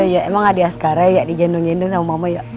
iya emang adias kare ya digendong gendong sama mama yuk